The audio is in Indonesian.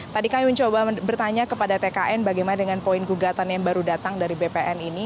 tadi kami mencoba bertanya kepada tkn bagaimana dengan poin gugatan yang baru datang dari bpn ini